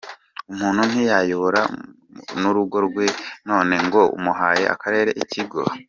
Umuntu ntiyayobora n’urugo rwe none ngo umuhaye akarere, ikigo.